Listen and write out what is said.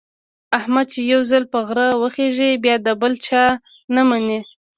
احمد چې یو ځل په غره وخېژي، بیا د بل چا نه مني.